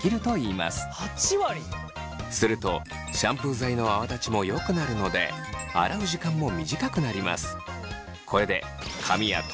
するとシャンプー剤の泡立ちもよくなるので洗う時間も短くなります。